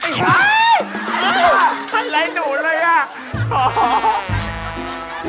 ขอพร้อม